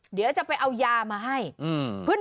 เดี๋ยวจะไปเอายามาให้อืม